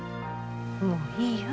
もういいよ。